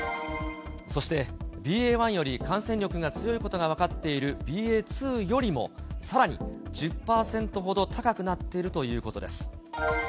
そして、ＢＡ．１より感染力が強いことが分かっているＢＡ．２よりも、さらに１０％ほど高くなっているということです。